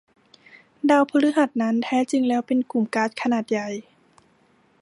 ดาวพฤหัสนั้นแท้จริงแล้วเป็นกลุ่มก๊าซขนาดใหญ่